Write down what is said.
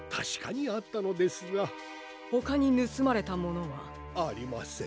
ほかにぬすまれたものは？ありません。